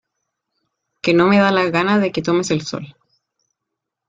que no me da la gana de que tomes el sol